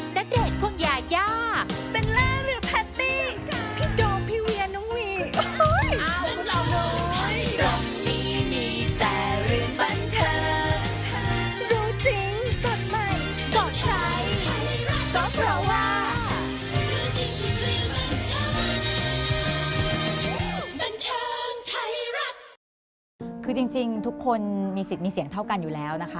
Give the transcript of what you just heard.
คือจริงทุกคนมีสิทธิ์มีเสียงเท่ากันอยู่แล้วนะคะ